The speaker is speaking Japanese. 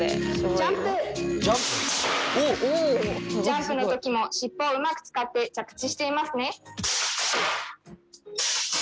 ジャンプの時も尻尾をうまく使って着地していますね。